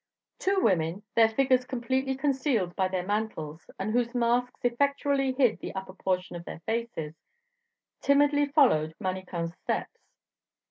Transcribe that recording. Two women, their figures completely concealed by their mantles, and whose masks effectually hid the upper portion of their faces, timidly followed Manicamp's steps.